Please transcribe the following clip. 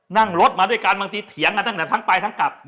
นั่งรถมาด้วยกันบางทีเถียงกันตั้งแต่ทั้งไปทั้งกลับ